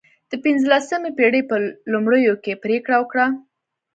د پنځلسمې پېړۍ په لومړیو کې پرېکړه وکړه.